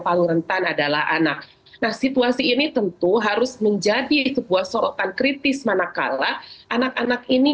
paling rentan adalah anak nah situasi ini tentu harus menjadi sebuah sorotan kritis manakala anak anak ini